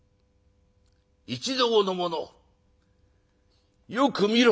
一同の者よく見ろ。